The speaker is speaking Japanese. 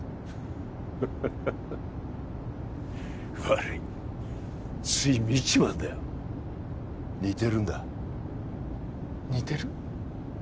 ハハハハ悪いつい見ちまうんだよ似てるんだ似てる？